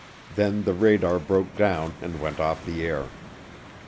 Then the radar broke down and went off the air.